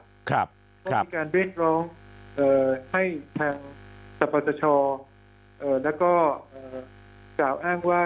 เพราะมีการเรียกร้องให้ทางสรรพันธชาและก็กล่าวอ้างว่า